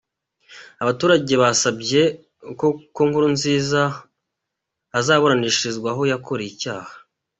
Abaturage basabye ko Nkurunziza yazaburanishirizwa aho yakoreye icyaha.